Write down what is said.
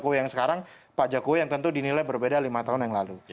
pajok gue yang sekarang pajok gue yang tentu dinilai berbeda lima tahun yang lalu